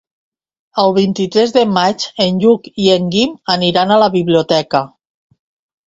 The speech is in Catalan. El vint-i-tres de maig en Lluc i en Guim aniran a la biblioteca.